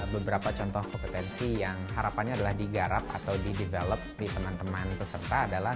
beberapa contoh kompetensi yang harapannya adalah digarap atau di develop di teman teman peserta adalah